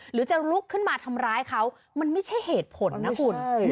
หรือจะลุกขึ้นมาทำร้ายเขามันไม่ใช่เหตุผลนะคุณ